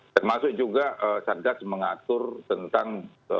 termasuk juga satgas mengatur tentang tarif hotel